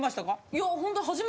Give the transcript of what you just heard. いやホント。